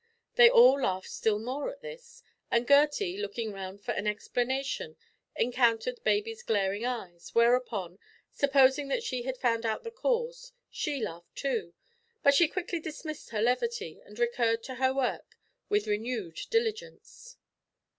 They all laughed still more at this, and Gertie, looking round for an explanation, encountered baby's glaring eyes, whereupon, supposing that she had found out the cause, she laughed too. But she quickly dismissed her levity and recurred to her work with renewed diligence.